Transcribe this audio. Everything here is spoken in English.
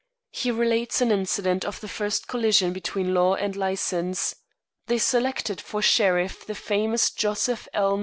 He relates an incident of the first collision between law and license. They selected for sheriff the famous Joseph L.